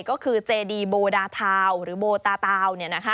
ก็คือเจดีโบดาทาวหรือโบตาตาว